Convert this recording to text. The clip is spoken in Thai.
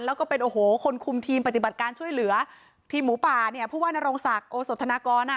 แล้วก็เป็นโอ้โหคนคุมทีมปฏิบัติการช่วยเหลือทีมหมูป่าเนี่ยผู้ว่านโรงศักดิ์โอสธนากรอ่ะ